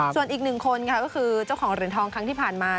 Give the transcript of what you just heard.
ส่วนอีกหนึ่งคนค่ะก็คือเจ้าของเหรียญทองครั้งที่ผ่านมา